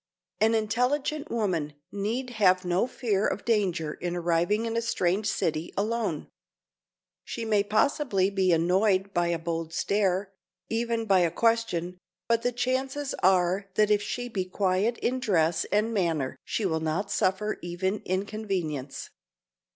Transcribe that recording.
An intelligent woman need have no fear of danger in arriving in a strange city alone. She may possibly be annoyed by a bold stare, even by a question, but the chances are that if she be quiet in dress and manner she will not suffer even inconvenience.